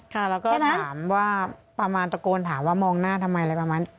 ค่ะแล้วก็ถามว่าประมาณตะโกนถามว่ามองหน้าทำไมอะไรประมาณ